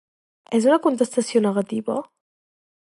És una contestació negativa?